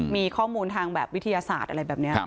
มีข้อมูลทางบิทยาศาสตร์